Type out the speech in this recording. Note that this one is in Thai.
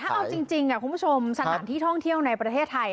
เอาจริงคุณผู้ชมสถานที่ท่องเที่ยวในประเทศไทย